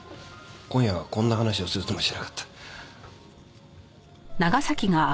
今夜はこんな話をするつもりじゃなかった。